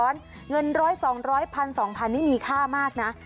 เงินร้อยสองร้อยพันสองพันนี่มีค่ามากนะ